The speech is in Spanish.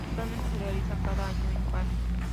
Actualmente se realiza cada año impar.